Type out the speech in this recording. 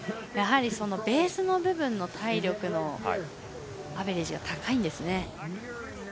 やはりベースの部分の体力のアベレージが高いんですね。